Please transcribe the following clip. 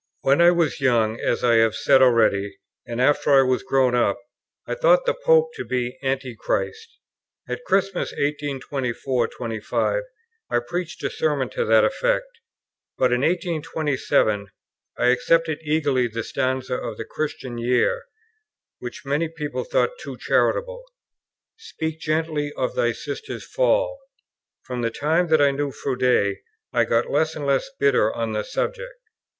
When I was young, as I have said already, and after I was grown up, I thought the Pope to be Antichrist. At Christmas 1824 5 I preached a sermon to that effect. But in 1827 I accepted eagerly the stanza in the Christian Year, which many people thought too charitable, "Speak gently of thy sister's fall." From the time that I knew Froude I got less and less bitter on the subject.